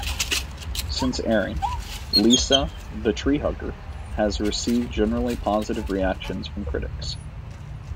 Since airing, "Lisa the Tree Hugger" has received generally positive reactions from critics.